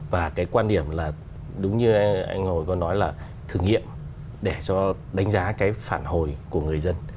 và cái quan điểm là đúng như anh hồi có nói là thử nghiệm để cho đánh giá cái phản hồi của người dân